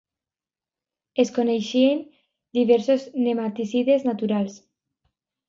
Es coneixen diversos nematicides naturals.